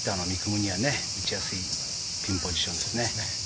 夢には打ちやすいピンポジションですね。